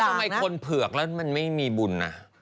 ทำไมคนเผือกแล้วมันไม่มีบุญ